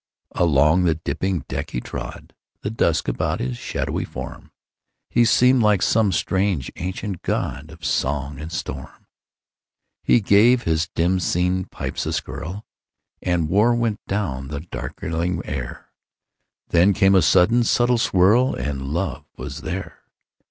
Along the dipping deck he trod, The dusk about his shadowy form; He seemed like some strange ancient godOf song and storm. He gave his dim seen pipes a skirlAnd war went down the darkling air; Then came a sudden subtle swirl, And love was there.